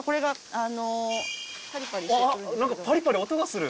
あっパリパリ音がする。